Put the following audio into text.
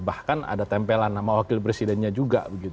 bahkan ada tempelan sama wakil presidennya juga